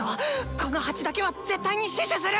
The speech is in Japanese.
この鉢だけは絶対に死守する！